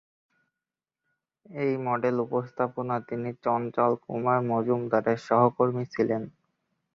এই মডেল উপস্থাপনা তিনি চঞ্চল কুমার মজুমদারের সহকর্মী ছিলেন।